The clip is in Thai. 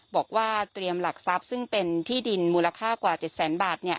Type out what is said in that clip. บอกว่าเตรียมหลักทรัพย์ซึ่งเป็นที่ดินมูลค่ากว่า๗แสนบาท